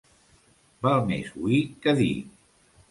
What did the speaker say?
Val més oir que dir.